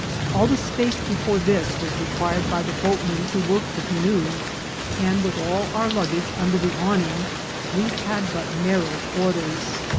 All the space before this was required by the boatmen to work the canoe, and, with all our luggage under the awning, we had but narrow quarters.